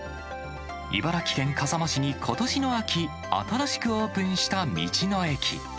茨城県笠間市にことしの秋、新しくオープンした道の駅。